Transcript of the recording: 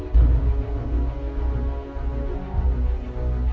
để đối tượng